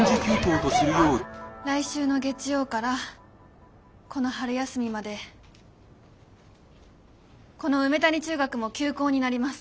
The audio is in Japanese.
来週の月曜からこの春休みまでこの梅谷中学も休校になります。